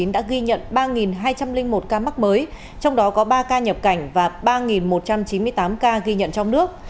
đã ghi nhận ba hai trăm linh một ca mắc mới trong đó có ba ca nhập cảnh và ba một trăm chín mươi tám ca ghi nhận trong nước